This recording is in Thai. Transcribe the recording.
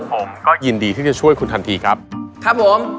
ผมก็ยินดีที่จะช่วยคุณทันทีครับครับผม